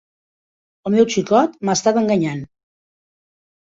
El meu xicot m'ha estat enganyant.